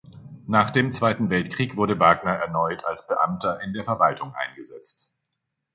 Nach dem Zweiten Weltkrieg wurde Wagner erneut als Beamter in der Verwaltung eingesetzt.